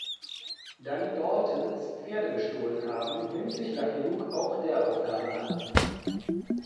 Da die Daltons Pferde gestohlen haben nimmt sich Lucky Luke auch der Aufgabe an.